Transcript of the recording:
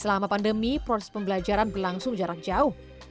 selama pandemi proses pembelajaran berlangsung jarak jauh